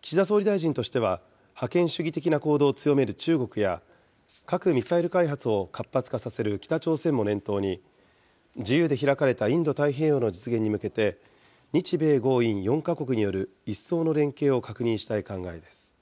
岸田総理大臣としては、覇権主義的な行動を強める中国や、核・ミサイル開発を活発化させる北朝鮮も念頭に、自由で開かれたインド太平洋の実現に向けて、日米豪印４か国による一層の連携を確認したい考えです。